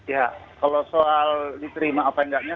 ya kalau soal diterima apa enggaknya